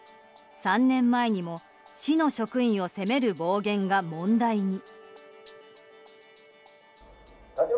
３年前にも市の職員を責める暴言が問題に。